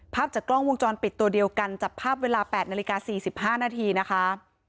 ภาพจากกล้องวงจรปิดตัวเดียวกันจับภาพเวลา๘นาฬิกา๔๕นาทีนะคะ